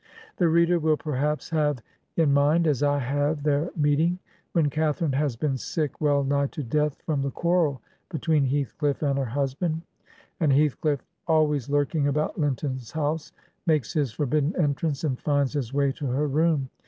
The reader will perhaps have in mindi as I have, their meeting when Catharine has been sick wellnigh to death from the quarrel between Heathcliff and her husband, and Heathcliff, always lurking about Linton's house, makes his forbidden entrance^ and finds his way to her room.